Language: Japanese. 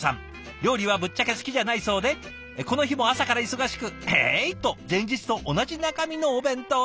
料理はぶっちゃけ好きじゃないそうでこの日も朝から忙しく「ええい！」と前日と同じ中身のお弁当に。